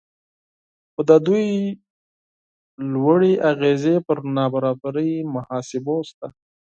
خو د دوی لوړې اغیزې پر نابرابرۍ محاسبو شته